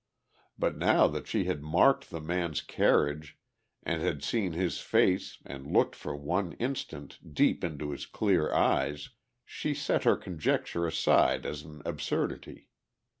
But now that she had marked the man's carriage and had seen his face and looked for one instant deep into his clear eyes, she set her conjecture aside as an absurdity.